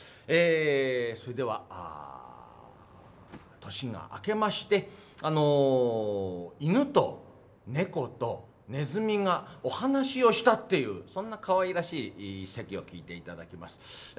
それでは新年明けまして犬と猫とねずみがお話をしたっていうそんなかわいらしい一席を聴いていただきます。